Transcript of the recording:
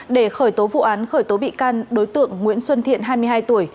để khởi tố vụ án khởi tố bị can đối tượng nguyễn xuân thiện hai mươi hai tuổi